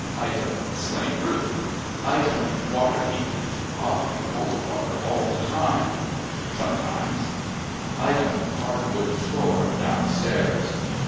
Item: Slate roof; item: water heated, hot and cold water all the time sometimes; item: hardwood floor downstairs.